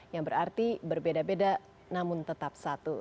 yang berarti berbeda beda namun tetap satu